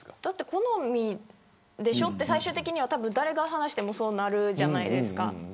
好みでしょって最終的には誰が話してもそうなるじゃないですか。